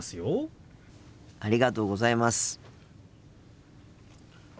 ありがとうございます。